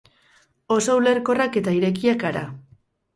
Oso ulerkorrak eta irekiak gara.